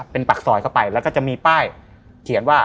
เป็นปากซอยเข้าไปแล้วก็จะมีป้ายเขียนว่า